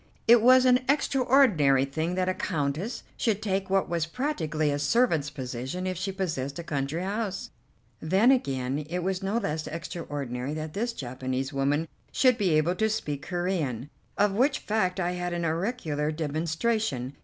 It was an extraordinary thing that a Countess should take what was practically a servant's position if she possessed a country house. Then, again, it was no less extraordinary that this Japanese woman should be able to speak Corean, of which fact I had had auricular demonstration.